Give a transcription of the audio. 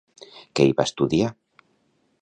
Què hi va estudiar?